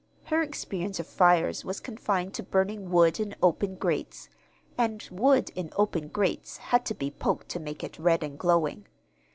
Her experience of fires was confined to burning wood in open grates and wood in open grates had to be poked to make it red and glowing.